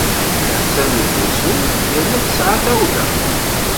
Attan deg wusu yerna tesɛa tawla.